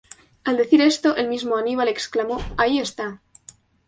Al decir esto, el mismo Aníbal exclamó: "¡Ahí está!